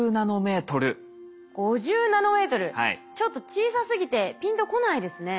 ちょっと小さすぎてピンとこないですね。